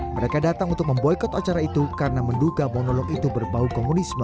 mereka datang untuk memboykot acara itu karena menduga monolog itu berbau komunisme